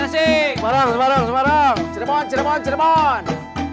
semarang semarang semarang